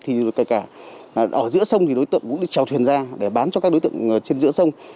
thì kể cả ở giữa sông thì đối tượng cũng trèo thuyền ra để bán cho các đối tượng trên giữa sông